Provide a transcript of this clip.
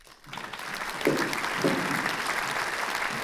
甘肃假钻毛蕨为骨碎补科假钻毛蕨属下的一个种。